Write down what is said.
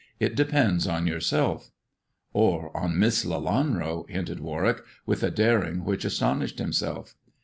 " It depends on yourself." "Or on Miss Lelanro," hinted Warwick, with a daring which astonished himself.